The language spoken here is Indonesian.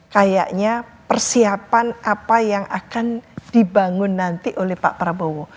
kayaknya persiapan apa yang akan dibangun nanti oleh pak prabowo